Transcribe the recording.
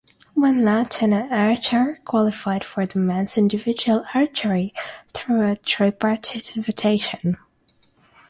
One Laotian archer qualified for the men's individual archery through a tripartite invitation.